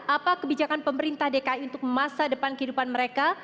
apa kebijakan pemerintah dki untuk masa depan kehidupan mereka